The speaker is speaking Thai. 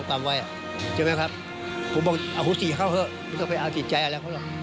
นี่จะพึ่งอาหูสี่เข้าเล่า